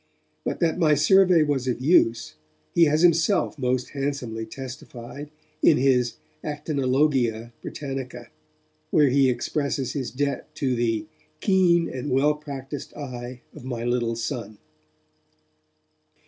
But that my survey was of use, he has himself most handsomely testified in his Actinologia Britannica, where he expresses his debt to the 'keen and well practised eye of my little son'.